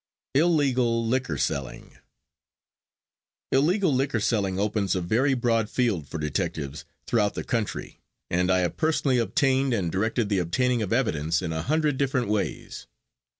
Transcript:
ILLEGAL LIQUOR SELLING Illegal liquor selling opens a very broad field for detectives throughout the country, and I have personally obtained and directed the obtaining of evidence in a hundred different ways.